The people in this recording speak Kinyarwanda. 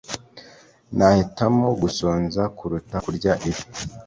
nahitamo gusonza kuruta kurya ibi